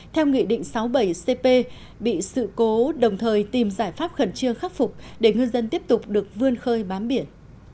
theo nghị định sáu mươi bảy cp bị sự cố đồng thời tìm giải pháp khẩn trương khắc phục để ngư dân tiếp tục được vươn khơi bám biển